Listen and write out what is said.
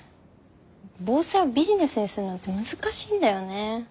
防災をビジネスにするのって難しいんだよね。